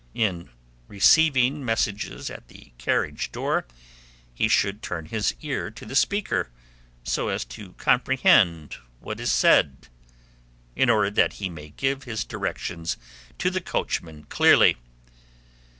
In receiving messages at the carriage door, he should turn his ear to the speaker, so as to comprehend what is said, in order that he may give his directions to the coachman clearly.